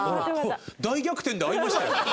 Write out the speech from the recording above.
大逆転で合いましたよ。